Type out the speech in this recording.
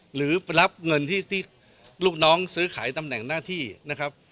หรือรับเงินที่ลูกน้องซื้อขายตำแหน่งหน้าที่นะครับ